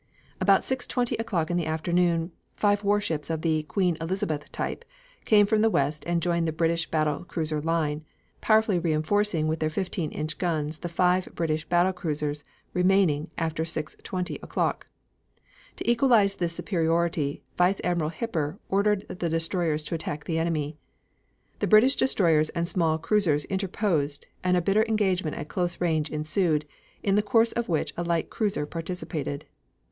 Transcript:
About 6.20 o'clock in the afternoon five warships of the Queen Elizabeth type came from the west and joined the British battle cruiser line, powerfully reinforcing with their fifteen inch guns the five British battle cruisers remaining after 6.20 o'clock. To equalize this superiority Vice Admiral Hipper ordered the destroyers to attack the enemy. The British destroyers and small cruisers interposed, and a bitter engagement at close range ensued, in the course of which a light cruiser participated.